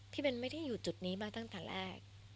เบนไม่ได้อยู่จุดนี้มาตั้งแต่แรก